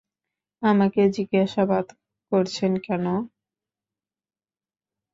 আমাকে জিজ্ঞাসাবাদ করছেন কেন?